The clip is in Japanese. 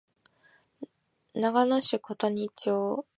長野県小谷村